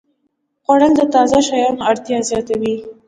خوړل د تازه شیانو اړتیا زیاتوي